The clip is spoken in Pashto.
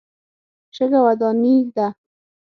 شګه وداني ده.